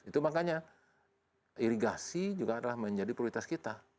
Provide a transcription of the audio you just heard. itu makanya irigasi juga adalah menjadi prioritas kita